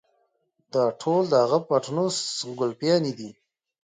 دا ټول د هغه پټنوس ګلپيانې دي.